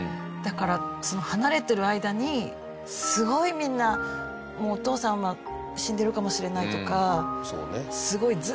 だから離れてる間にすごいみんなもうお父さんは死んでるかもしれないとかすごい